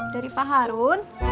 dari pak harun